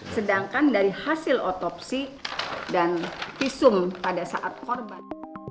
sedangkan dari hasil otopsi dan visum pada saat korban